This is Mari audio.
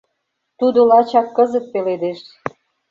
Тудо лачак кызыт пеледеш.